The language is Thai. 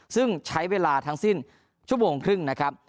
ซึ่งใช้เวลาทั้งสิ้นชั่วโมงครึ่งนะครับ